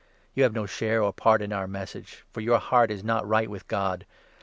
You have no share or part in our Message, for your 'heart is not right with God.'